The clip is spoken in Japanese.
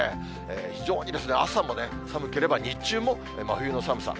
非常に朝も寒ければ日中も真冬の寒さ。